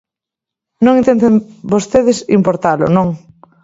Non intenten vostedes importalo, non.